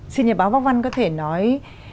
xin nhờ báo bác văn có thể nói